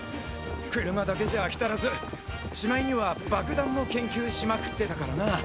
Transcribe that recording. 車だけじゃあきたらずしまいには爆弾も研究しまくってたからな。